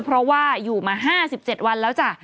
เพราะว่าอยู่มา๕๗วันแล้วจ้ะ